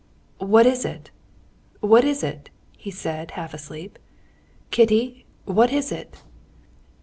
"What is it?... what is it?" he said, half asleep. "Kitty! What is it?"